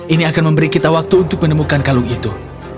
ini akan memberi kita waktu untuk menemukan kalung itu